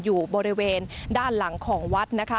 อยู่บริเวณด้านหลังของวัดนะคะ